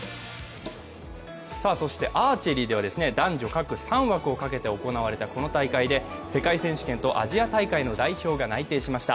そして、アーチェリーでは、男女各３枠をかけて行われたこの大会で世界選手権とアジア大会の代表が内定しました。